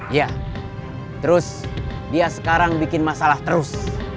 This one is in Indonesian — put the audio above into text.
iya terus dia sekarang bikin masalah terus